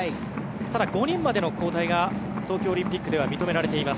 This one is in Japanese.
ただ、５人までの交代が東京オリンピックでは認められています。